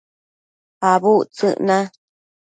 Abudtsëc na